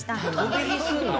飛び火するの？